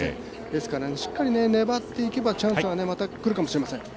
ですから、しっかり粘っていけばチャンスはまたくるかもしれません。